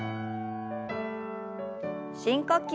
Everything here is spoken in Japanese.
深呼吸。